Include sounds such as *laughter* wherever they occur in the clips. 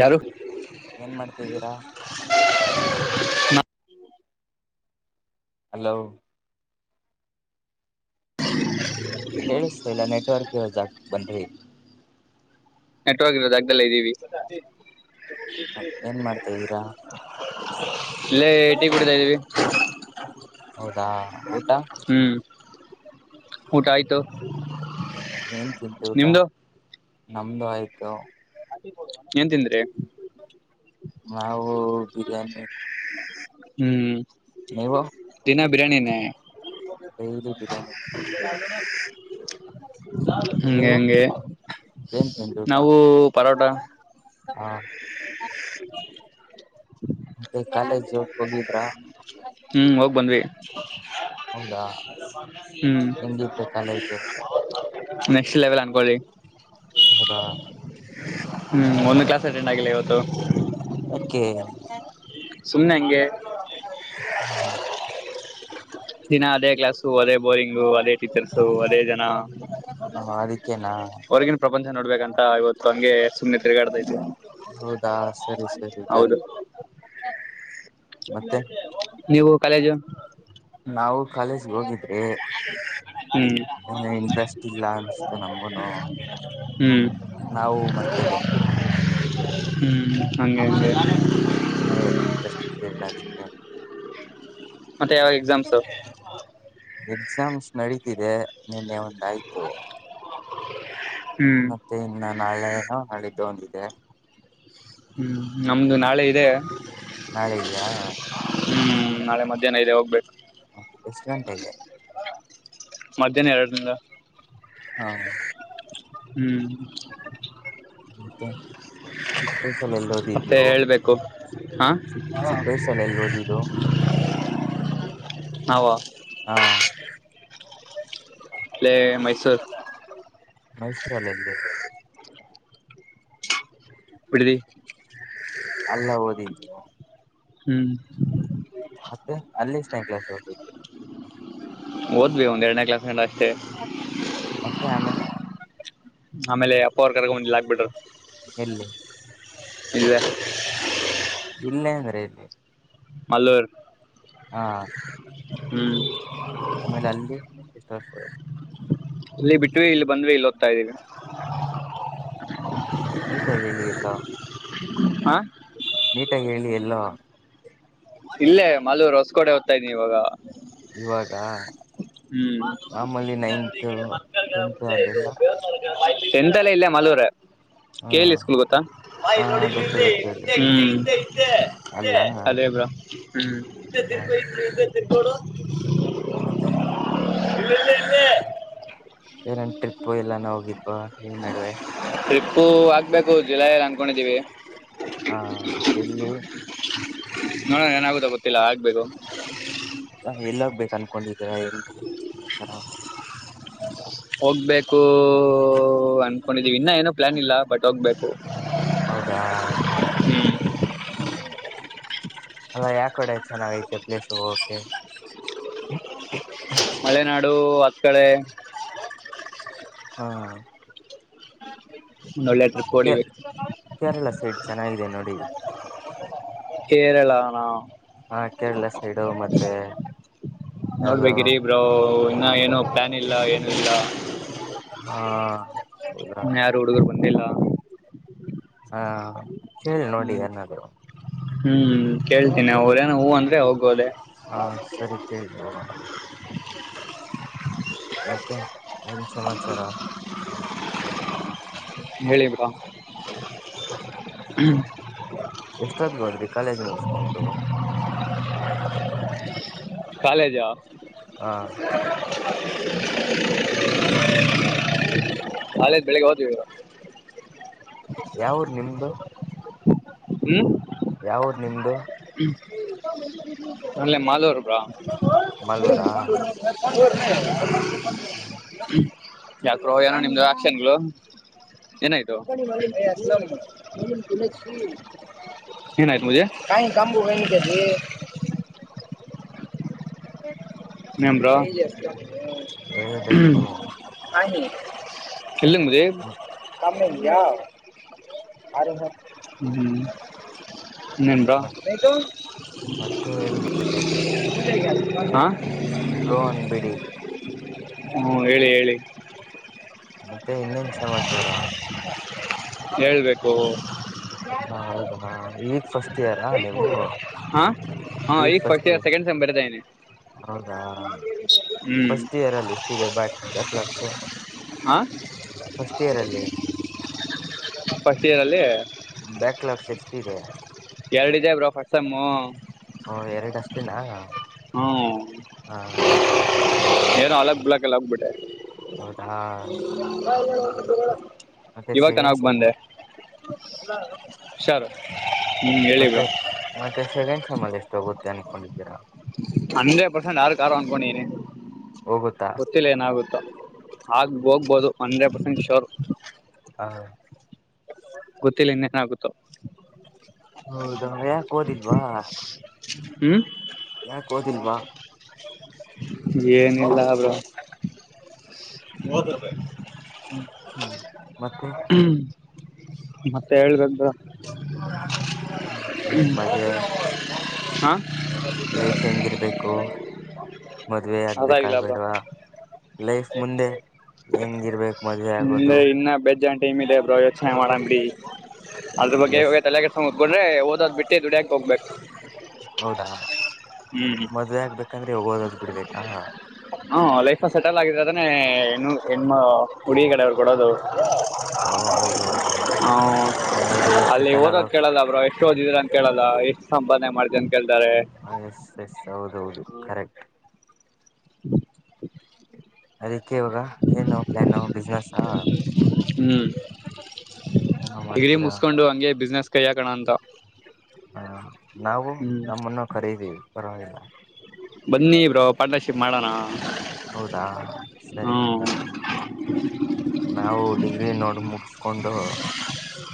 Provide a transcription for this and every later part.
ಯಾರು ಏನ್ ಮಾಡ್ತಿದ್ದೀರಾ ಹಲೋ ಕೇಳಿಸತ ಇಲ್ಲ ನೆಟ್ವರ್ಕ್ ಇರೊ ಜಾಗಕ ಬನ್ರಿ ನೆಟ್ವರ್ಕ್ ಇರೋ ಜಾಗದಲ್ಲಿ ಇದೀವಿ ಏನ್ ಮಾಡ್ತಾ ಇದ್ದೀರಾ ಇಲ್ಲೇ ಟಿ ಕುಡಿತಾ ಇದ್ದೀವಿ ಹೌದಾ ಊಟ ಹ್ಮ್ ಊಟ ಆಯ್ತು ಏನ್ ತಿಂತ ಊಟ ನಿಮ್ದು ನಮ್ದು ಆಯ್ತು ಏನ್ ತಿಂದ್ರಿ ನಾವು ಬಿರಿಯಾನಿ ಹ್ಮ್ ನೀವು ದಿನ ಬಿರಿಯಾನಿ ನೇ ಡೈಲಿ ಬಿರಿಯಾನಿ ಹಂಗೆ ನೀವು ಹಂಗೆ ಏನ್ ತಿಂದ್ರಿ ಊಟ ನಾವು ಪರೋಟ ಹಾ *inaudible* ಮತ್ತೆ ಕಾಲೇಜು ಹೋಗಿದ್ರಾ ಹ್ಮ್ ಹೋಗ್ ಬಂದ್ವಿ ಹೌದಾ ಹ್ಮ್ ಹೆಂಗಿತ್ತು ಕಾಲೇಜು ನೆಕ್ಸ್ಟ್ ಲೆವೆಲ್ ಅನ್ಕೊಳ್ಳಿ ಹೌದಾ ಹ್ಮ್ ಒಂದು ಕ್ಲಾಸ್ ಅಟೆಂಡ್ ಮಾಡಿಲ್ಲ ಇವತ್ತು ಯಾಕೆ ಸುಮ್ನೆ ಹಂಗೆ ಹ ದಿನ ಅದೇ ಕ್ಲಾಸೂ ಅದೇ ಬೋರಿಂಗು ಅದೇ ಟೀಚರ್ಸು ಅದೇ ಜನ ಅದಕ್ಕೇನಾ ಹೊರ್ಗಿನ ಪ್ರಪಂಚ ನೋಡ್ಬೇಕಂತ ಇವತ್ತು ಹಂಗೆ ಸುಮ್ಮನೆ ತಿರುಗಾಡ್ತಾ ಇದ್ದೀ ಹೌದಾ ಸರಿ ಸರಿ ಜಾಲಿ ಮತ್ತೆ ನೀವು ಕಾಲೇಜು ನಾವು ಕಾಲೇಜ್ಗೆ ಹೋಗಿದ್ರೆ ಹ್ಮ ನ ಇಂಟ್ರೆಸ್ಟ್ ಇಲ್ಲ ಅನ್ಸತು ನಮಗುನು ಹ್ಮ್ ನಾವು ಮತ್ತೆ ಬಂದ್ವಿಟ್ಟ್ ವಿ ಹ್ಮ್ ಹಂಗೆ ಹಂಗೆ ನೀ ಇವತ್ತು ಇಂಟ್ರೆಸ್ಟ್ ಇದ್ದೇ ಇಲ್ಲ ಅದಕ್ಕೆ ಮತ್ತೆ ಯಾವಾಗ ಎಕ್ಸಾಮ್ಸ್ ಎಕ್ಸಾಮ್ಸ್ ನಡೀತಿದೆ ನಿನ್ನೆ ಒಂದಾಯ್ತು ಹ್ಮ್ ಮತ್ತೆ ಇನ್ನು ನಾಳೆನೋ ನಾಳಿದ್ದು ಒಂದಿದೆ ಹ್ಮ್ ನಮ್ದು ನಾಳೆ ಇದೆ ನಾಳೆ ಇದೆಯಾ ಹ್ಮ್ ನಾಳೆ ಮಧ್ಯಾಹ್ನ ಇದೆ ಹೋಗ್ಬೇಕು ಎಷ್ಟು ಗಂಟೆಗೆ ಮಧ್ಯಾಹ್ನ ಎರಡರಿಂದ ಹಾ ಹ್ಮ್ ಮತ್ತೆ ಚಿಕ್ಕ ವಯಸ್ಸಲ್ಲಿ ಎಲ್ಲಿ ಓದಿದ್ ಮತ್ತೆ ನೀವು ಹೇಳ್ಬೇಕು ಹಾ ಚ ಚಿಕ್ಕ ವಯಸ್ಸಲ್ಲಿ ಎಲ್ಲಿ ಓದಿದ್ದು ನಾವ ಹಾ ಪಲೆ ಮೈಸೂರ್ ಮೈಸೂರಲ್ಲಿ ಎಲ್ಲಿ ಬಿಡದಿ ಅಲ್ಲ ಓದಿಲ್ಲ ಹ್ಮ್ ಮತ್ತೆ ಅಲ್ಲಿ ಎಷ್ಟ *unintelligible* ಓದ್ವಿ ಒಂದ್ ಎರಡನೇ ಕ್ಲಾಸ್ಂಡ ಅಷ್ಟೇ ಮತ್ತೆ ಆಮೇಲೆ ಆಮೇಲೆ ಅಪ್ಪವರ್ ಕರ್ಕೊಂಡು ಬಂದು ಎಲ್ಲಿ ಇಲ್ಲಿ ಆಕ್ಬಿಟ್ರು ಇಲ್ಲೇ ಅಂದ್ರೆ ಎಲ್ಲಿ ಮಾಲೂರ್ ಹಾ ಹ್ಮ್ ಆಮೇಲೆ ಅಲ್ಲಿ ಎಷ್ಟ ವರ್ಷ ಇಲ್ಲಿ ಬಿಟ್ಟವಿ ಇಲ್ಲಿ ಬಂದ್ವಿ ಇಲ್ಲಿ ಓದ್ತಾ ಇದ್ದೀವಿ ನೀಟಾಗಿ ಹೇಳಿ ಎಲ್ಲೋ ಹ ನೀಟಾಗಿ ಹೇಳಿ ಎಲ್ಲೋ ಇಲ್ಲೇ ಮಾಲೂರು ಹೊಸಕೋಟೆ ಹೋಗ್ತಾ ಇದೀನಿ ಇವಾಗ ಇವಾಗ ಮ್ಮ್ ಮಾಮೂಲಿ ನೈನ್ತ್ ಟೆಂತ್ ಅದೆಲ್ಲ ಟೆಂಟ್ ಎಲ್ಲ ಇಲ್ಲೇ ಮಲೂರು ಹ ಕೇಳಿ ಸ್ಕೂಲ್ ಗೊತ್ತಾ ಹಾ ಗೊತ್ತು ಗೊತ್ತು ಹೇಳಿ ಅಲ್ಲ ಅದೇಬ್ರಾ ಹ್ಮ್ ಇದ್ದ ಹ ತಿರ್ಕೋ ಇದ್ದ ತಿರ್ಕೋಳ ಮತ್ತೆ ಇ ಇಲ್ಲ ಇಲ್ಲ ಏನೆನ್ ಟ್ರಿಪ್ ಎಲ್ಲಾನಾ ಹೋಗಿತ್ತು ಈಲ್ಲಿ ನಡುವೆ ಟ್ರಿಪ್ಪು ಆಗ್ಬೇಕು ಜುಲೈಲ್ಲಿ ಅಂದಕೊಂಡಿದ್ದೀವಿ ಹಾ ಎಲ್ಲಿ ನೋಡೋಣ ಏನಾಗುತ್ತಾ ಗೊತ್ತಿಲ್ಲ ಆಗ್ಬೇಕು ಎಲ್ಲೋಗ್ಬೇಕು ಅನ್ಕೊಂಡಿದರ ಎಲ್ಲಿತರ ಹೋಗ್ಬೇಕು ಅನ್ಕೊಂಡಿದೀವಿ ಇನ್ನ ಏನೋ ಪ್ಲಾನ್ ಇಲ್ಲ ಬಟ್ ಹೋಗ್ಬೇಕು ಹೌದಾ ಹ್ಮ್ ಹ್ಮ ಅಲ್ಲ ಯಾವ ಕಡೆ ಚೆನ್ನಾಗೈತೆ ಪ್ಲೇಸ್ ಹೋಗಕ್ಕೇ ನ *inaudible* ಮಳೆನಾಡು ಹತ್ ಕಡೇ ಹಾ ಒಂದ್ ಒಳ್ಳೆ ಟ್ರಿಪ್ ಕೆ ಹೊಡಿಬೇಕು ಕೇರಳ ಸೈಡ್ ಚೆನ್ನಾಗಿದೆ ನೋಡಿ ಕೇರಳಾನಾ ಹ ಕೇರಳ ಸೈಡು ಮತ್ತೆ ಅದು ನೋಡ್ಬೇಕಿರಿ ಬ್ರೋ ಇನ್ನ ಏನು ಪ್ಲಾನ್ ಇಲ್ಲ ಏನು ಇಲ್ಲ ಹಾ ಇನ್ನ ಯಾರು ಹುಡುಗರು ಬಂದಿಲ್ಲ ಹಾ ಹೇಳಿ ನೋಡಿ ಹ್ಮ್ ಯಾರನಾದ್ರು ಹ್ಮ್ ಕೇಳ್ತೀನಿ ಅವ್ರೇನ ಹೂ ಅಂದ್ರೆ ಹೋಗೋದೆ ಹಾ ಸರಿ ಕೇಳಿ ಬ್ರೋ ಮತ್ತೆ ಏನ್ ಸಮಾಚಾರ ಹೇಳಿ ಬ್ರೋ ಎಷ್ಟದ್ಗ ಹೋದ್ರಿ ಕಾಲೇಜ್ ಮುಗಿಸಿಕೊಂಡು. ಕಾಲೇಜು. ಹಾ. ಕಾಲೇಜು ಬೆಳಗ್ಗೆ ಹೋದ್ವಿ. ಯಾವ ಊರು ನಿಮ್ದು. ಹ್ಮ್ ಯಾವ ಊರು ನಿಮ್ದು. ಹ್ಮ ಅಲ್ಲೆ ಮಾಲೂರು. *inaudible* ಮಲ್ಲೂರಾ ಯಾಕೋ ಬ್ರೋ ಏನೋ ನಿಮ್ದು ಆಕ್ಷನ್ಗಳು ಏನಾಯ್ತು. ಏನಾಯ್ತ *unintelligible* *inaudible* ಹ್ಮ್ ಏನ್ ಬ್ರೊ. ಎಲ್ಲಿ ಹೇಳ್ಬೇಕು *unintelligible* ಹ್ಮ್. ಇನೇನು ಬ್ರೋ. ಮತ್ತೆ ಹೇಳ್ಬೇಕು ಬ್ರೋ ಅನ್ಬೇಡಿ. ಹು ಹೇಳಿ ಹೇಳಿ. ಮತ್ತೆ ಇನ್ನೇನ್ ಸಮಾಚಾರ. ಹೇಳ್ಬೇಕು *unintelligible* ಫಸ್ಟ್ ಇಯರಾ ನೀವು ಹಾ ಹಾ ಈಗ ಫಸ್ಟ್ ಇಯರ್. ಸೆಕೆಂಡ್ ಸೆಮ್ ಬರಿತಾ ಇದೀನಿ ಹೌದಾ ಹ್ಮ್ ಫಸ್ಟ್ ಇಯರ್ ಅಲ್ಲಿ ಇಷ್ಟದೆ ಬ್ಯಾಕ್ ಬ್ಯಾಕ್ಲಾಕ್ಸ್ ಹಾ ಫಸ್ಟ್ ಇಯರ್ ಅಲ್ಲಿ. ಫಸ್ಟ್ ಇಯರಲ್ಲಿ. ಬ್ಯಾಕ್ಲಾಸ್ ಎಷ್ಟಿದೆ. ಎರಡ್ ಇದೇ ಬ್ರೋ ಫಸ್ಟ್ ಸೆಮ್ಮು. ಓ ಎರಡು ಅಷ್ಟೇನ. ಹ್ಮ ಅಲಕ್ ಲಕ್ ಅಲ್ಲಿ ಆಗಿಬಿಟ್ಟೆ. ಹೌದಾ ಮತ್ತೆ ಇವಾಗ ಸೆಕೆಂಡ್ ಚೆನ್ನಾಗಿ ಬಂದೆ. ಹುಷಾರು ಹು ಹೇಳಿ ಮತ್ತೆ ಬ್ರೋ. ಮತ್ತೆ ಸೆಕೆಂಡ್ ಸೇಮ್ ಅಲ್ಲಿ ಎಷ್ಟೋಗುತ್ತೆ ಅನ್ಕೊಂಡಿದ್ದೀರಾ. ಅಂದ್ರೆಡ್ ಪರ್ಸೆಂಟ್ ಆರುಕ್ ಆರು ಅನ್ಕೊಂಡಿನಿ. ಹೋಗುತ್ತಾ. ಏನಾಗುತ್ತೋ ಆಗ ಹೋಗ್ಬೋದು ಹಂಡ್ರೆಡ್ ಪರ್ಸೆಂಟ್ ಶೋರ್. ಹಾ ಗೊತ್ತಿಲ್ಲ ಇನೇನು ಆಗುತ್ತೆ. ಹೌದ ಯಾಕ್ ಓದಿಲ್ವಾ. ಹ್ಮ್ ಯಾಕ ಓದಿಲ್ವಾ. ಏನಿಲ್ಲ ಬ್ರೋ. *unintelligible* ಹ್ಮ್ ಮತ್ತೆ. ಮತ್ತೆ ಹೇಳಬೇಕು ಬ್ರೋ. ಹ್ಮ ನಿಮ್ಮದೇ ಹಾ ಲೈಫ್ ಹೆಂಗಿರ್ಬೇಕು. ಮದ್ವೆ ಆಗ್ಬೇಕಾ ಅದಾಗಿಲ್ಲ ಬ್ರೋ ಬೇಡವಾ. ಲೈಫ್ ಮುಂದೆ ಹೆಂಗಿರ್ಬೇಕು ಮದ್ವೆ ಆಗೋದು. ಮುಂದೆ ಇನ್ನ ಬೇಜ್ಜಾನ ಟೈಮ ಇದೆ ಬ್ರೋ ಯೋಚನೆ ಮಾಡನ ಬಿಡಿ ಅದ್ರ ಬಗ್ಗೆ ಎಸ್ ತಲೆ *unintelligible* ಓದೋದ ಬಿಟ್ಟಿ ದುಡಿಯಕ್ಕ ಹೋಗ್ಬೇಕ. ಹೌದಾ ಮದ್ವೆ ಆಗ್ಬೇಕಂದ್ರೆ ಓದೋದ ಬಿಡ್ಬೇಕಾ. ಹ್ಮ ಲೈಫ ಸೆಟಲ್ ಆಗಿದ್ರೆ ಅದನೇ ಇನ್ನು ಹೆನ್ನು ಹುಡುಗಿ ಕಡೆಯವ್ರ ಕೊಡೋದು. ಓ ಹೌದು ಹೌದು ಹೌದು ಹ ಹಂಗಾದ್ರೆ ಇವಾಗ ಅಲ್ಲಿ ಸೆಟಲ್ ಓದೋದ ಆಗಕು ಕೇಳಲ್ಲ ಬ್ರೋ ಎಷ್ಟ ಓದಿದೀರ ಅಂತ ಕೇಳಲ್ಲ ಎಷ್ಟ ಸಂಪಾದನೆ ಮಾಡ್ದ ಅಂತೇ ಕೇಳ್ತಾರೆ. ಹ ಎಸ್ ಎಸ್ ಹೌದೌದು ಕರೆಕ್ಟ್. *inaudible* ಅದಕ್ಕೆ ಇವಾಗ ಏನು ಪ್ಲಾನ್ ಬಿಸ್ನೆಸ್ಸಾ. ಹಾ ಮಾಡ ಇ ಮುಸ್ಕೊಂಡು ಹಂಗೆ ಬಿಸ್ನೆಸ್ ಕೈ ಹಾಕನ ಅಂತ ಹಾ ನಾವು ಹ್ಮ್ ನಮ್ಮನ್ನು ಕರೀರೀ ಪರವಾಗಿಲ್ಲ. ಬನ್ನಿ ಬ್ರೋ ಪಾರ್ಟ್ನಸಿಪ್ ಮಾಡೋಣ. ಹೌದಾ ಸರಿ ಹಂಗ ಹ್ಮ್ ನಾವು ಡಿಗ್ರಿ ನೋಡ ಮುಗಿಸಕೊಂಡು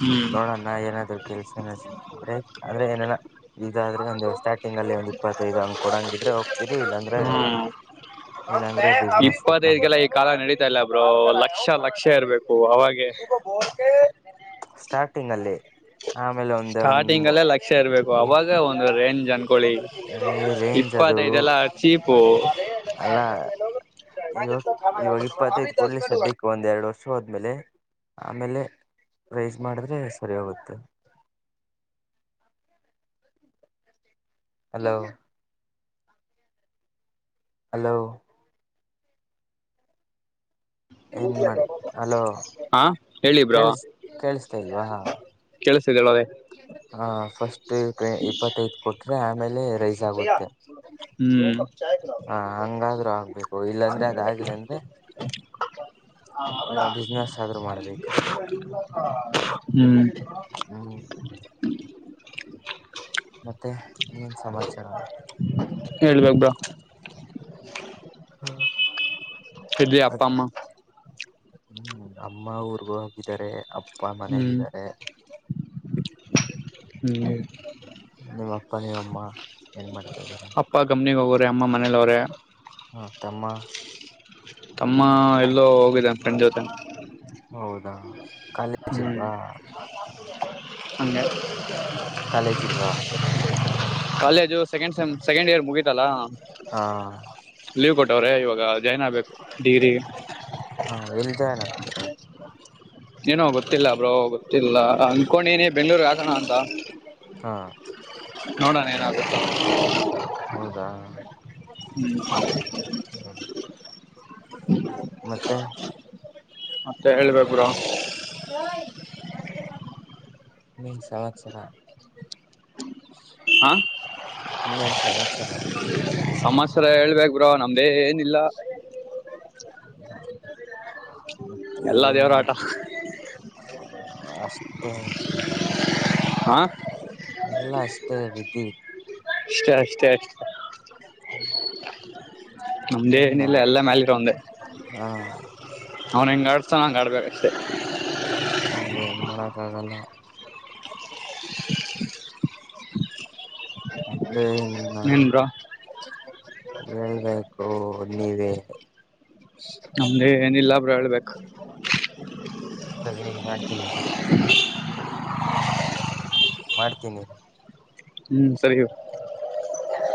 ಹ್ಮ್ ನೋಡ ನಾ ಏನಾದ್ರು ಕೆಲ್ಸನ ಸಿಕ್ತಿದ್ರೆ ಅರೇ ಏನ ಇದಾದ್ರೆ ಒಂದ ಸ್ಟಾರ್ಟಿಂಗ್ ಅಲ್ಲಿ ಒಂದ ಇಪ್ಪತ್ತೈದ ಹಂಗ್ ಕೊಡಂಗಿದ್ರೆ ಹೋಗ್ತಿರಿ ಇಲ್ಲಾಂದ್ರೆ ಇಲ್ಲಾಂದ್ರೆ ಬಿಸ್ನೆಸ್ ನಮ್ ಇಪ್ಪತೈದಕೇಲ್ಲಾ ಕಾಲ ನಡೀತಾ ಇಲ್ಲ ಬ್ರೋ ಲಕ್ಷ ಲಕ್ಷ ಇರ್ಬೇಕು ಅವಾಗೆ ಸ್ಟಾರ್ಟಿಂಗ್ ಅಲ್ಲಿ ಆಮೇಲೆ ಒಂದ ಸ್ಟಾರ್ಟಿಂಗ್ ಒಂದ್ ಅಲ್ಲೇ ಲಕ್ಷ ಇರ್ಬೇಕು ಅವಾಗ ಒಂದು ರೇಂಜ್ ಅನ್ಕೊಳ್ಳಿ. ರೇಂಜ್ ಅದು ಇಪ್ಪತ್ತೈದ ಎಲ್ಲಾ ಚೀಪು. ಅಲ್ಲ ಇವಾಗ ಇವಾಗ ಇಪ್ಪತ್ತೈದ ಕೊಡ್ಲಿ ಸದ್ಯಕ್ಕೆ ಒಂದ ಎರಡು ವರ್ಷ ಹೋದ್ಮೇಲೆ ಆಮೇಲೆ ರೈಸ್ ಮಾಡಿದ್ರೆ ಸರಿ ಓಗುತ್ತೆ. ಹಲೋ ಹಲೋ ಏನ್ ಮಾಡ ಅಲೋ ಹಾ ಹೇಳಿ ಬ್ರೋ ಕೇಳಸ್ ಕೇಳಿಸ್ತಾ ಇಲ್ವಾ. ಕೆೇಳಸತಿದೆ ಹೇಳಲೇ ಹ ಫಸ್ಟ್ ಇಪ್ಪತ್ತೈದ ಕ ಕೊಟ್ರೆ ಆಮೇಲೆ ರೈ ಜ ಗುತ್ತೆ ಹ್ಮ್ ಹ ಹಂಗಾದ್ರ ಆಗ್ಬೇಕು ಇಲ್ಲಾಂದ್ರೆ ಅದ ಆಗ್ಲಿ ಅಂದ್ರೆ ಬಿಸ್ನೆಸ್ ಆದ್ರೂ *unintelligible* ಮಾಡ್ಬೇಕಷ್ಟೆ ಹ್ಮ. ಹ್ಮ. ಮತ್ತೆ ಏನ್ ಸಮಾಚಾರ. ಹೇಳ್ಬೇಕ ಬ ಇರ್ಲಿ *unintelligible* ಹ್ಮ ಅಪ್ಪ ಅಮ್ಮ ಅಮ್ಮ ಊರ್ಗ ಹೋಗಿದ್ದಾರೆ ಅಪ್ಪ ಮನೇಲ್ಲ ಹ್ಮ್ ಇದಾರೆ. *unintelligible* ಹ್ಮ. ನಿಮ್ಮ ಅಪ್ಪ ನೀಮ್ ಅಮ್ಮ ಏನ್ ಮಾಡ್ತಾ ಇದ್ದಾರೆ. ಅಪ್ಪ ಕಂಪ್ನಿಗ್ ಹೋಗೋರೆ ಅಮ್ಮ ಮನೇಲಿ ಅವ್ರೆ ಹಾ ತಮ್ಮ ತಮ್ಮಾ ಎಲ್ಲೋ ಹೋಗಿದಾನ್ ಫ್ರೆಂಡ್ ಜೊತೆ. ಹೌದಾ. ಕಾಲೇಜ್ ಹ್ಮ್ ಇಲ್ವಾ *unintelligible* ಹಂಗಾ *unintelligible* ಕಾಲೇಜ್ ಇಲ್ವಾ *unintelligible* college second sem second year ಮುಗೀತಲ್ಲಾ ಹಾ. ಲೀವ್ ಕೊಟ್ಟವ್ರೆ ಇವಾಗ ಜೊಯ್ನ್ ಆಗ್ಬೇಕು ಡಿಗ್ರಿಗೆ ಹಾ ಎಲ್ಲಿ ಜೊಯ್ನ ಆಗ್ತಿರಿ ಏನೋ ಗೊತ್ತಿಲ್ಲಾ ಬ್ರೋ ಗೊತ್ತಿಲ್ಲಾ ಅನ್ಕೊಂಡೇನಿ ಬೆಂಗಳೂರ್ ಆಗಣ ಅಂತ ಹಾ ನೋಡಣ ಏನಾಗತ್ತೊ *unintelligible* *inaudible* ಹೌದಾ ಹ್ಮ್. *unintelligible* ಮತ್ತೆ ಮತ್ತೆ ಹೇಳ್ಬೇಕ್ ಬ್ರೋ ಯೊಯ್ *unintelligible* ಹಾ *inaudible* ಇನ್ನೆನ್ ಸಮಾಚಾರ ಸಮಾಚಾರ ಹೇಳ್ಬೇಕ್ ಬ್ರೋ ನಮ್ದೇನಿಲ್ಲಾ *unintelligible* ಎಲ್ಲಾ ದೇವ್ರ ಆಟ ಮತ್ತೇ ಅಷ್ಟೇ ಹಾ *inaudible* ಎಲ್ಲಾ ಅಷ್ಟೇ ವಿಧಿ ಅಷ್ಟೆ ಅಷ್ಟೆ ಅಷ್ಟೆ *unintelligible* ಏನ್ ನಮ್ದೇನಿಲ್ಲ ಮಾಡುದು ಎಲ್ಲ ಮ್ಯಾಲಿರೊಂದೇ. ಹಾ ಅವನ್ ಹೆಂಗ್ ಆಡಸ್ತಾನಾ ಹಂಗ್ ಆಡ್ಬೇಕಷ್ಟೆ. ಹ್ಮ್ ಏನ್ ಮಾಡಕ್ ಆಗಲ್ಲಾ ಮತ್ತೆನಿಲ್ಲಾ ಏನ್ ಬ್ರೋ ಹೇಳ್ಬೇಕು ನೀವೇ ನಮ್ದೇ ನಿಲ್ಲಾ ಬ್ರೊ ಹೇಳ್ಬೇಕು. *unintelligible* ಸರಿ ಈಗ ಮಾಡ್ತೀನಿಗ. ಮಾಡ್ತೀನಿ ಹ್ಮ್ ಸರಿ